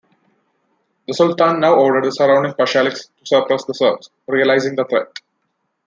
The Sultan now ordered the surrounding pashaliks to suppress the Serbs, realizing the threat.